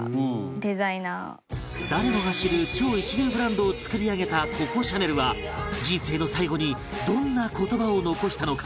誰もが知る超一流ブランドを作り上げたココ・シャネルは人生の最期にどんな言葉を残したのか？